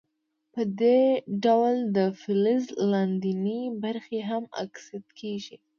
په دې ډول د فلز لاندینۍ برخې هم اکسیدي کیږي.